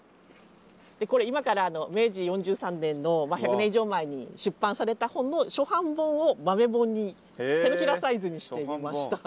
でこれ今から明治４３年のまあ１００年以上前に出版された本の初版本を豆本に手のひらサイズにしてみました。